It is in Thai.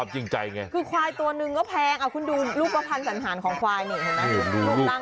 ใช่ไหมคือควายตัวนึงก็แพงคุณดูลูกประพันธ์สันหารของควายนี่